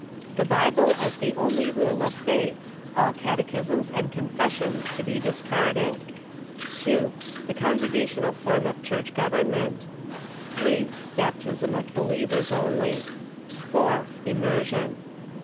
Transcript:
The Bible as the only rule of faith — all catechisms and confessions to be discarded ; 2. The Con gregational form of Church government ; 3. Baptism of be lievers only ; 4. Immersion.